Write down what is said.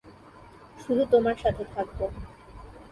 শুধু তোমার সাথে থাকব।